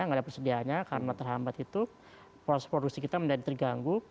nggak ada persediaannya karena terhambat itu proses produksi kita menjadi terganggu